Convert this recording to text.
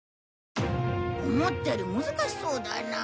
思ったより難しそうだな。